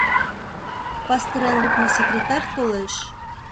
Пастырен лукмо секретарь толеш...